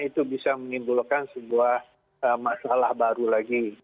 itu bisa menimbulkan sebuah masalah baru lagi